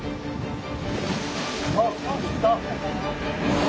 あっいった。